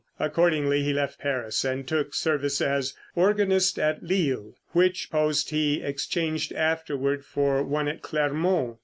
Accordingly he left Paris and took service as organist at Lille, which post he exchanged afterward for one at Clermont.